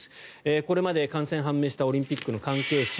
これまで感染が判明したオリンピックの関係者